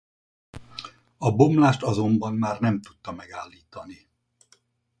A bomlást azonban már nem tudta megállítani.